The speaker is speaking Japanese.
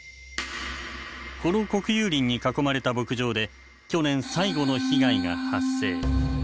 この国有林に囲まれた牧場で去年最後の被害が発生。